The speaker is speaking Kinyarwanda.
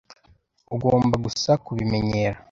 Ugomba gusa kubimenyera.